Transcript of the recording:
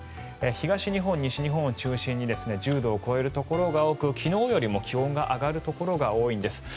東日本、西日本を中心に１０度を超えるところが多く昨日よりも気温が上がるところが多いんです。